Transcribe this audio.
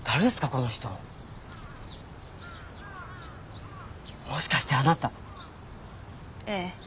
この人もしかしてあなたええ